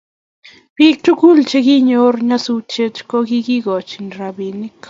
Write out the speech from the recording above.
Pik tugul che kinyor nyasutet ko kikachin rapinik